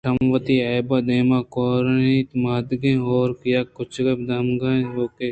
چم وتی عیب ءَ دائم کوٛراِنت مادگیں ہُوک یک کُچک ءُ مادگیں ہُوکے